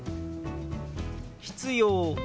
「必要」。